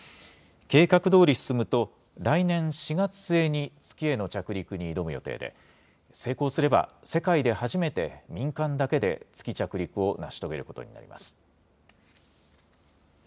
計画どおり進むと、来年４月末に月への着陸に挑む予定で、成功すれば世界で初めて、民間だけで月着陸を成し遂げることになります。